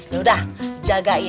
sudah jagain ya